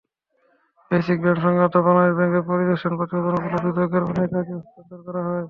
Basic ব্যাংক-সংক্রান্ত বাংলাদেশ ব্যাংকের পরিদর্শন প্রতিবেদনগুলো দুদককে অনেক আগেই হস্তান্তর করা হয়।